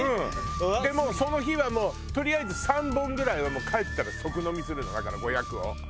でもうその日はとりあえず３本ぐらいはもう帰ったら即飲みするのだから５００を。